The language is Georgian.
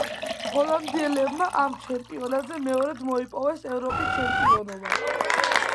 ჰოლანდიელებმა ამ ჩემპიონატზე მეორედ მოიპოვეს ევროპის ჩემპიონობა.